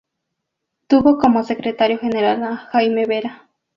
Tuvo como secretario general a Jaime Vera.